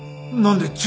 何で？